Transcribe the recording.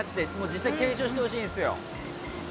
実際に検証してほしいんですよ。